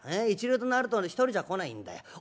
一流となると一人じゃ来ないんだよ。